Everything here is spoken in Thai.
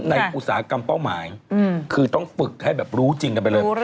อุตสาหกรรมเป้าหมายคือต้องฝึกให้แบบรู้จริงกันไปเลย